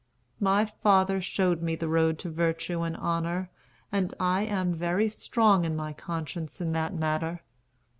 My father showed me the road to virtue and honor, and I am very strong in my conscience in that matter.